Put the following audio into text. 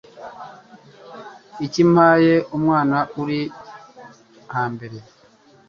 Ikimpaye umwana uri hambere